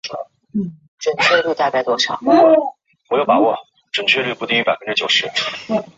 毕业于成都理工大学地球探测与信息技术专业。